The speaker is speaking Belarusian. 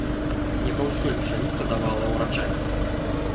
Не паўсюль пшаніца давала ўраджай.